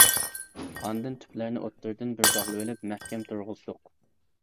ئاندىن تۈپلەرنى ئوتتۇرىدىن بىر باغلىۋېلىپ، مەھكەم تۇرغۇزدۇق.